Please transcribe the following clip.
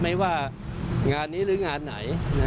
ไม่ว่างานนี้หรืองานไหน